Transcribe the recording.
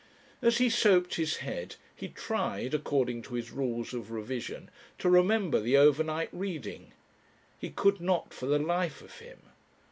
As he soaped his head he tried, according to his rules of revision, to remember the overnight reading. He could not for the life of him.